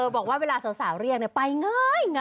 บอกว่าเวลาสาวเรี่ยงไปง่ายง่าย